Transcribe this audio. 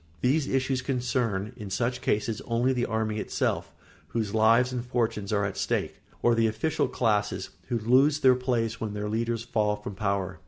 These issues concern, in such cases, only the army itself, whose lives and fortunes are at stake, or the official classes, who lose their places when their leaders fall from power.